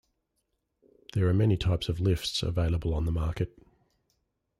There are many types of lifts available on the market.